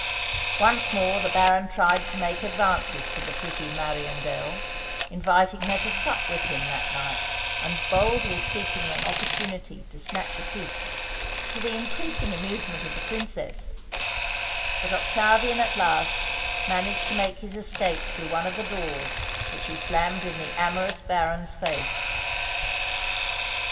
Once more the Baron tried to make advances to the pretty "Mariandel," inviting her to sup with him that night, and boldly seeking an opportunity to snatch a kiss, to the increasing amusement of the Princess; but Octavian at last managed to make his escape through one of the doors, which he slammed in the amorous Baron's face.